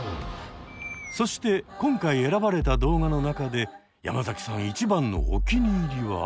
そして今回選ばれた動画の中で山崎さん一番のお気に入りは？